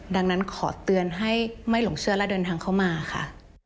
ดังนั้นขอเตือนให้ไม่หลงเชื่อและเดินทางเข้ามาค่ะ